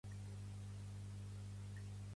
Exerceix d'ambiciós i fa una tasca domèstica.